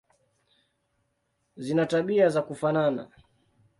Zina tabia za kufanana.